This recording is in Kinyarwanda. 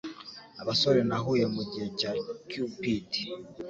Abasore nahuye mugihe cya Cupid